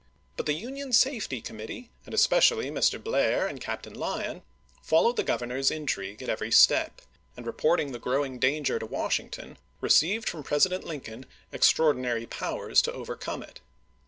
But the Union Safety Committee, and es pecially Mr. Blair and Captain Lyon, followed the Governor's intrigue at every step, and reporting the growing danger to Washington received from Pres ident Lincoln extraordinary powers to overcome it.